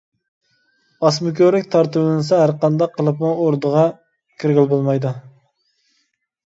ئاسما كۆۋرۈك تارتىۋېلىنسا ھەرقانداق قىلىپمۇ ئوردىغا كىرگىلى بولمايدۇ.